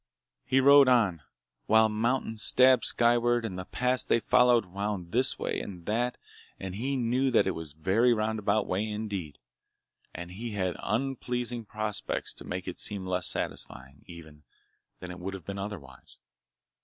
He rode on, while mountains stabbed skyward and the pass they followed wound this way and that and he knew that it was a very roundabout way indeed. And he had unpleasing prospects to make it seem less satisfying, even, than it would have been otherwise.